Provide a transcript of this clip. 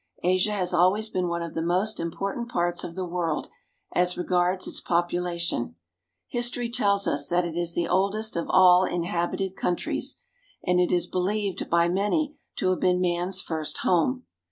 Asia has always been one of the most important parts of the world as regards its population. History tells us that it is the oldest of all inhabited countries, and it is believed by many to have been man's first home.